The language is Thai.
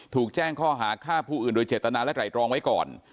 ถูกแจ้งข้อหาฆ่าผู้อื่นโดยเจตนาและไรรองไว้ก่อน